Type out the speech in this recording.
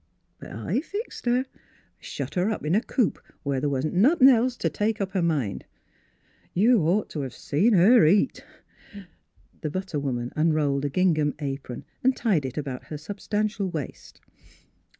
But I fixed her. Shet her up in a coop where the' wa'n't nothin' else t' take up her mind. You'd ought t' seen her eat." The butter woman unrolled a gingham apron and tied it about her substantial waist.